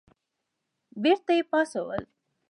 بېرته یې پاڅول.